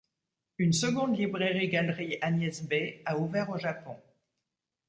Une seconde librairie-galerie agnès b. a ouvert au Japon.